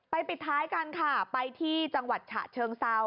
ปิดท้ายกันค่ะไปที่จังหวัดฉะเชิงเซา